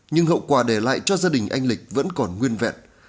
nhưng hậu quả để lại cho gia đình anh lịch vẫn còn nguyên vẹn